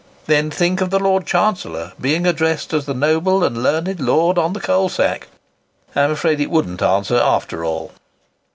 Then think of the Lord Chancellor being addressed as the noble and learned lord on the coal sack! I am afraid it wouldn't answer, after all."